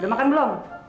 udah makan belum